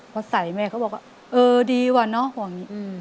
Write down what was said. พอใส่แม่เค้าบอกว่าเออดีห่วงแม่